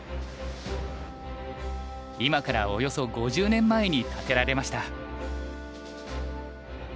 今からおよそ５０年前に建てられました。